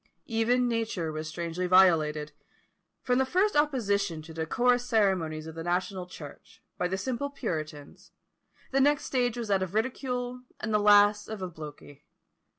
Even nature was strangely violated! From the first opposition to the decorous ceremonies of the national church, by the simple puritans, the next stage was that of ridicule, and the last of obloquy.